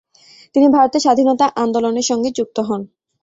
তিনি ভারতের স্বাধীনতা আন্দোলনের সঙ্গে যুক্ত হন।